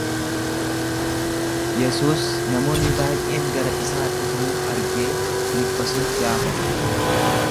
Yesuus namoonni baay’een gara isaa dhufuu argee Filiphosin gaafate.